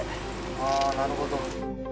ああなるほど。